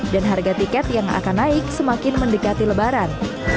dan harga tiket yang akan naik semakin mendekati lebaran